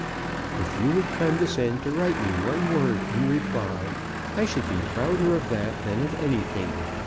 If you would condescend to write me one word in reply I should be prouder of that than of anything.